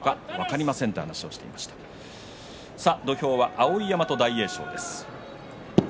土俵上は碧山と大栄翔です。